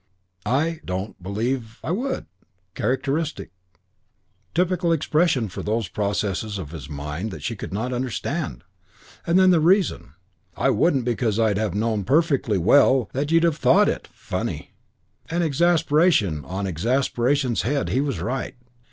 "I don't believe I would." Characteristic, typical expression of those processes of his mind that she could not understand! And then the reason: "I wouldn't because I'd have known perfectly well that you'd have thought it funny." And, exasperation on exasperation's head, he was right.